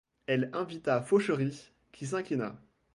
Elle invita Fauchery, qui s'inclina.